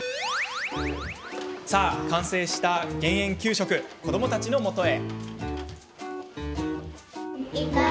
さあ、完成した減塩給食子どもたちのもとへ。